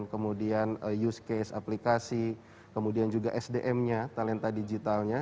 kemudian use case aplikasi kemudian juga sdm nya talenta digitalnya